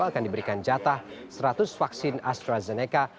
akan diberikan jatah seratus vaksin astrazeneca